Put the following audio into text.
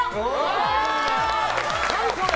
何これ？